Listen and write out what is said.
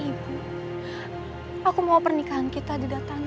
siapinplus kamu dikurangkan secara setengahpenuh sampai